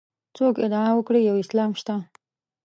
څوک ادعا وکړي یو اسلام شته.